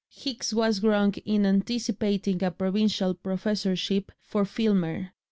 Hicks was wrong in anticipating a provincial professorship for Filmer.